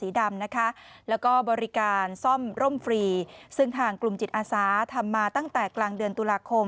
สีดำนะคะแล้วก็บริการซ่อมร่มฟรีซึ่งทางกลุ่มจิตอาสาทำมาตั้งแต่กลางเดือนตุลาคม